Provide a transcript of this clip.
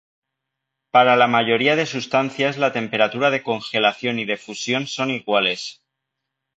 Para la mayoría de sustancias la temperatura de congelación y de fusión son iguales.